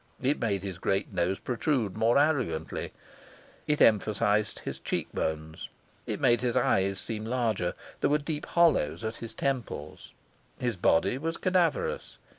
It made his great nose protrude more arrogantly; it emphasized his cheekbones; it made his eyes seem larger. There were deep hollows at his temples. His body was cadaverous.